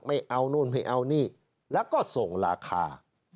ไม่เอานู่นไม่เอานี่แล้วก็ส่งราคา